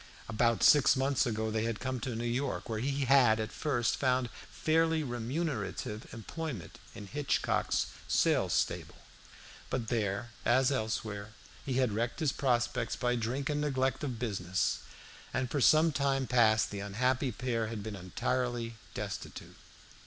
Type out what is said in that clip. About six months ago they had come to New York, where he had at first found fairly remunerative employment in Hitchcock's sale stable. But there, as elsewhere, he had wrecked his prospects by drink and neglect of business, and for some time past the unhappy pair had been entirely destitute.